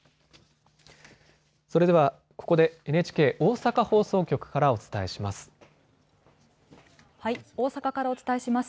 それでは、ここでＮＨＫ大阪放送局からお伝えします。